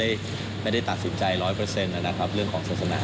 ไม่ได้ตัดสินใจร้อยเปอร์เซ็นต์นะครับเรื่องของศาสนา